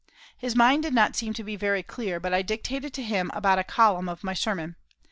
His mind did not seem to be very clear, but I dictated to him about a column of my sermon.